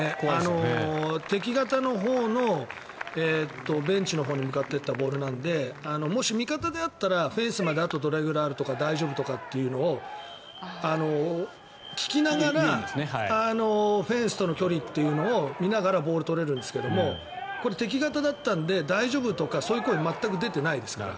敵方のほうのベンチのほうに向かっていったボールなのでもし味方であったらフェンスまであとどれくらいあるとか大丈夫とかというのを聞きながらフェンスとの距離というのを見ながらボールをとれるんですがこれ、敵方だったんで大丈夫とかそういう声が全く出てないですから。